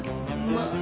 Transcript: まあ。